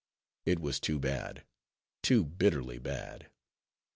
—It was too bad; too bitterly bad.